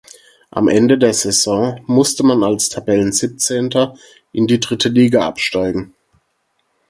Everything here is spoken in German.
Am Ende der Saison musste man als Tabellensiebzehnter in die dritte Liga absteigen.